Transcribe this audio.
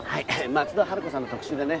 松田春子さんの特集でね。